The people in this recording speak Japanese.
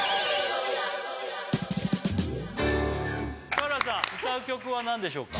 福原さん歌う曲は何でしょうか？